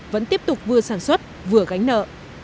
vẫn tiếp tục vừa sản xuất vừa gánh nợ